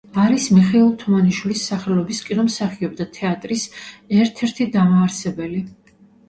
არის მიხეილ თუმანიშვილის სახელობის კინომსახიობთა თეატრის ერთ-ერთი დამაარსებელი.